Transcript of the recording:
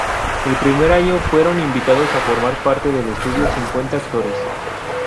El primer año fueron invitados a formar parte del estudio cincuenta actores.